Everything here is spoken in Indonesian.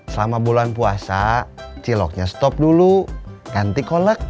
selama bulan puasa ciloknya stop dulu ganti kolek